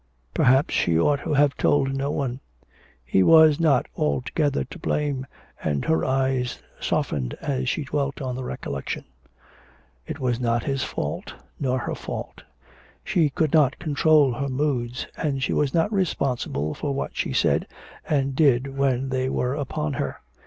Perhaps she ought to have told no one. He was not altogether to blame, and her eyes softened as she dwelt on the recollection.... It was not his fault, nor her fault. She could not control her moods, and she was not responsible for what she said and did when they were upon her.